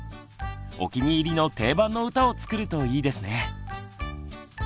お気に入りの定番の歌をつくるといいですね。